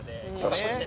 確かに。